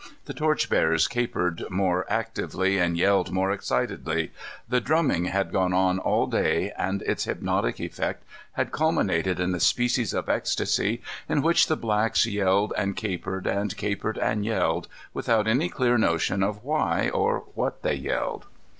The torchbearers capered more actively, and yelled more excitedly. The drumming had gone on all day and its hypnotic effect had culminated in a species of ecstasy in which the blacks yelled and capered, and capered and yelled, without any clear notion of why or what they yelled.